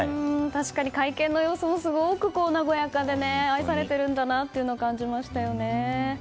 会見の様子もすごく和やかで愛されていると感じましたよね。